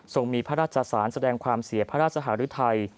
ทรงมีพระราชสารแสดงความเสียพระราชสหรือไทย